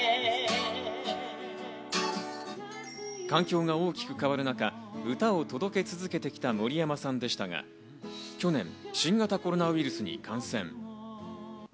環境が大きく変わる中、歌を届け続けてきた森山さんでしたが、去年、新型コロナウイルスに感染。